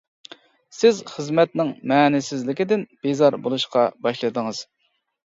سىز خىزمەتنىڭ مەنىسىزلىكىدىن بىزار بولۇشقا باشلىدىڭىز.